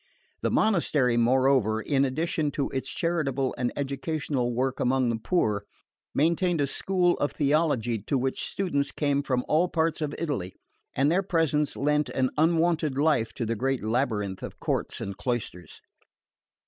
The monastery, moreover, in addition to its charitable and educational work among the poor, maintained a school of theology to which students came from all parts of Italy; and their presence lent an unwonted life to the great labyrinth of courts and cloisters.